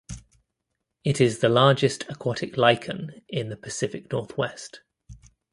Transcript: It is the largest aquatic lichen in the Pacific Northwest.